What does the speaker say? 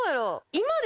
今で。